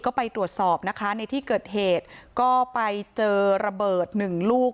ก็ไปตรวจสอบนะคะในที่เกิดเหตุก็ไปเจอระเบิดหนึ่งลูก